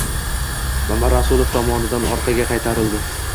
Mamarasulov tomonidan orqaga qaytarildi